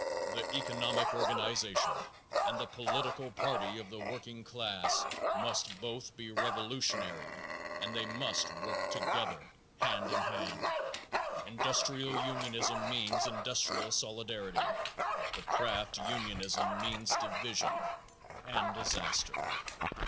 The economic organization and the political party of the working class must both be revolutionary and they must work together hand in hand. Industrial unionism means industrial solidarity, but craft unionism means division and disaster.